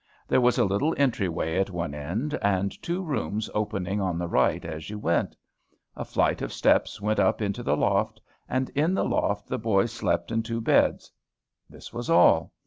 There was a little entry way at one end, and two rooms opening on the right as you went. A flight of steps went up into the loft, and in the loft the boys slept in two beds. This was all.